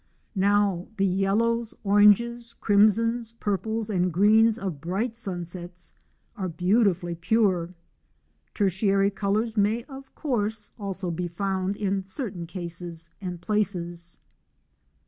Now the yellows, oranges, crimsons, purples, and greens of bright sunsets are beautifully pure. Tertiary colours may of course also be found in certain cases and places.